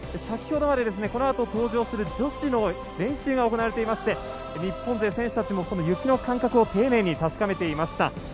先ほどまで、このあと登場する女子の練習が行われていまして日本の選手たちも雪の感覚を丁寧に確かめていました。